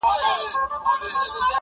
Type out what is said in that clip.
فکر مي وران دی حافظه مي ورانه .